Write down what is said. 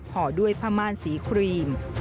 ห่อด้วยผ้าม่านสีครีม